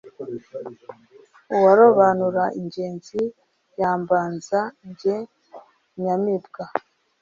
uwarobanura ingenzi yambanza jye nyamibwa.